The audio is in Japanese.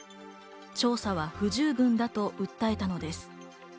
調査は不十分だと訴えたのです。